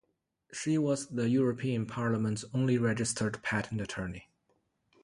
She was the European Parliament's only registered patent attorney.